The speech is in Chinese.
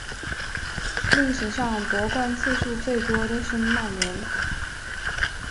历史上夺冠次数最多的是曼联。